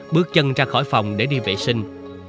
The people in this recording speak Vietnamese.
bước chân ra khỏi phòng để đi vệ sinh